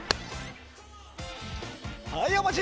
はいお待ち！